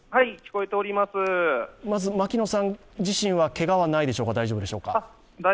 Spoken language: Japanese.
牧野さん自身はけがはないでしょうか？